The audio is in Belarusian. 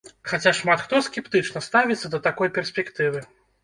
Хаця шмат хто скептычна ставіцца да такой перспектывы.